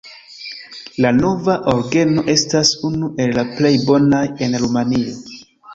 La nova orgeno estas unu el la plej bonaj en Rumanio.